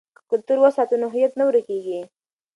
که کلتور وساتو نو هویت نه ورکيږي.